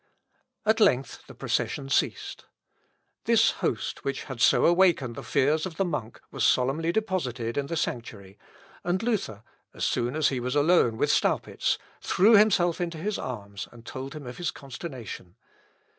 At length the procession ceased. This host which had so awakened the fears of the monk was solemnly deposited in the sanctuary, and Luther, as soon as he was alone with Staupitz, threw himself into his arms, and told him of his consternation.